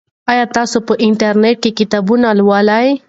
آیا تاسو په انټرنیټ کې کتابونه لولئ؟